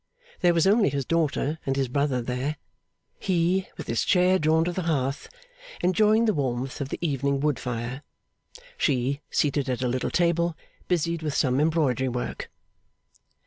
There was only his daughter and his brother there: he, with his chair drawn to the hearth, enjoying the warmth of the evening wood fire; she seated at a little table, busied with some embroidery work.